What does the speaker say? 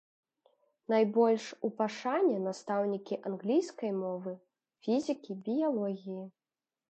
Найбольш у пашане настаўнікі англійскай мовы, фізікі, біялогіі.